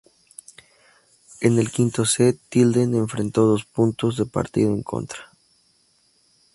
En el quinto set, Tilden enfrentó dos puntos de partido en contra.